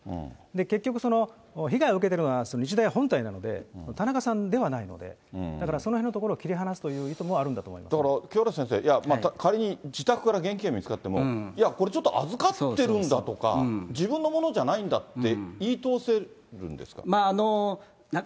結局、その被害を受けているのは日大本体なんで、田中さんではないので、だからそのへんのところを切り離すという意図もあるんだと思いまだから、清原先生、仮に自宅から現金見つかっても、これちょっと預かっているんだとか、自分のものじゃないんだって言い通せるんですか。